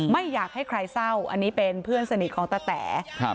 ไม่อยากให้ใครเศร้าอันนี้เป็นเพื่อนสนิทของตะแต๋ครับ